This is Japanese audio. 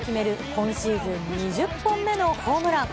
今シーズン２０本目のホームラン。